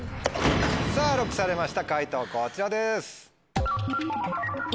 さぁＬＯＣＫされました解答こちらです。